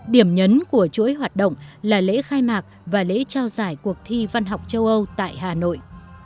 điểm nhấn của chuỗi hoạt động là lễ khai mạc và lễ trao giải cuộc thi văn học châu âu tại hà nội